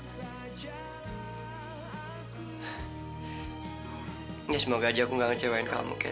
semoga aja aku nggak ngecewain kamu ken